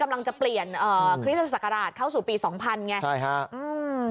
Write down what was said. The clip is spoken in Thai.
กำลังจะเปลี่ยนเอ่อคริสต์ศักราชเข้าสู่ปีสองพันไงใช่ฮะอืม